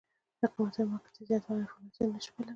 د قیمتونو موقتي زیاتوالی انفلاسیون نه شو بللی.